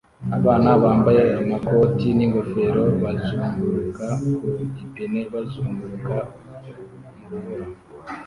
Abana bambaye amakoti n'ingofero bazunguruka ku ipine bazunguruka mu rubura